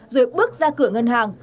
rồi bước ra cửa ngân hàng